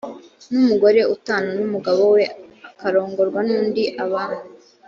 n umugore utana n umugabo we akarongorwa n undi aba